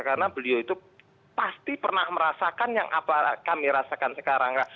karena beliau itu pasti pernah merasakan yang apa kami rasakan sekarang